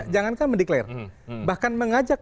jangankan mendeklare bahkan mengajak